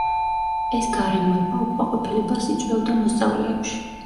ეს გარემოება უკმაყოფილებას იწვევდა მოსწავლეებში.